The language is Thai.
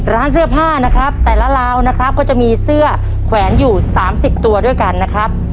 ร้านเสื้อผ้านะครับแต่ละลาวนะครับก็จะมีเสื้อแขวนอยู่๓๐ตัวด้วยกันนะครับ